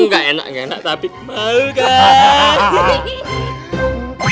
gak enak gak enak tapi malu kan